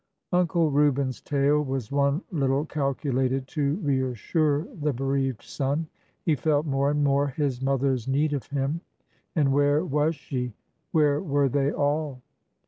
Uncle Reuben's tale was one little calculated to reassure the bereaved son. He felt more and more his mother's need of him. And where was she ? Where were they all